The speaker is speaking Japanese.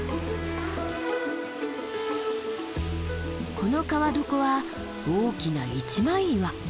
この川床は大きな一枚岩。